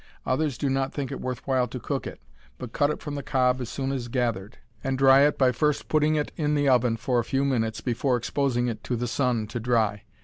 Others do not think it worth while to cook it, but cut it from the cob as soon as gathered, and dry it by first putting it in the oven for a few minutes before exposing it to the sun to dry.